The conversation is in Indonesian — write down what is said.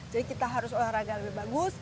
jadi kita harus olahraga lebih bagus